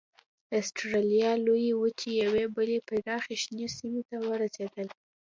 اسټرالیا لویې وچې یوې بلې پراخې شنې سیمې ته ورسېدل.